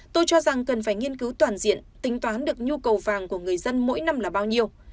tôi cho rằng cần phải nghiên cứu toàn diện tính toán được nhu cầu vàng của người dân mỗi năm là bao nhiêu